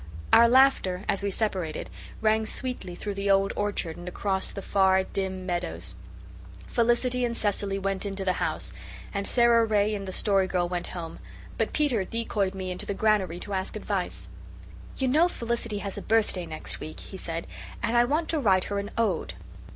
Our laughter, as we separated, rang sweetly through the old orchard and across the far, dim meadows. Felicity and Cecily went into the house and Sara Ray and the Story Girl went home, but Peter decoyed me into the granary to ask advice. "You know Felicity has a birthday next week," he said, "and I want to write her an ode."